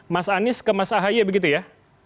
mas anies ke mas ahy begitu ya